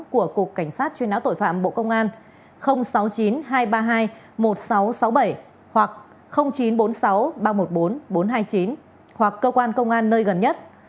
của cục cảnh sát truy não tội phạm bộ công an sáu mươi chín hai trăm ba mươi hai một nghìn sáu trăm sáu mươi bảy hoặc chín trăm bốn mươi sáu ba trăm một mươi bốn bốn trăm hai mươi chín hoặc cơ quan công an nơi gần nhất